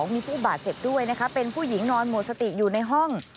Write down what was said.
มีผู้บาดเจ็บด้วยนะคะเป็นผู้หญิงนอนหมดสติอยู่ในห้อง